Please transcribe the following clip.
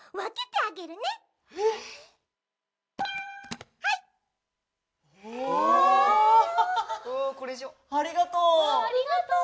ありがとう。